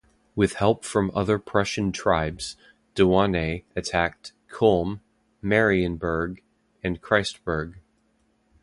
With help from other Prussian tribes, Diwane attacked Kulm, Marienburg, and Christburg.